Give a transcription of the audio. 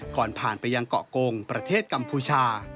ก่อนผ่านไปยังเกาะกงประเทศกัมพูชา